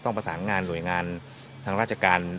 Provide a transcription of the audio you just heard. ประสานงานหน่วยงานทางราชการ